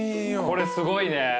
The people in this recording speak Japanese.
これすごいね。